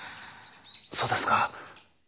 そうですか。